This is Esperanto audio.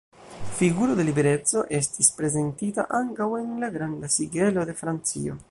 Figuro de Libereco estis prezentita ankaŭ en la Granda Sigelo de Francio.